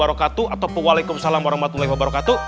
atau waalaikumsalam wr wb